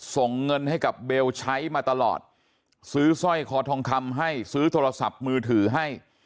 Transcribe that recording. ส่งเงินให้กับเบลใช้มาตลอดซื้อสร้อยคอทองคำให้ซื้อโทรศัพท์มือถือให้